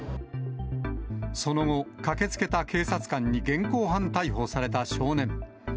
その後、駆けつけた警察官に現行犯逮捕された少年。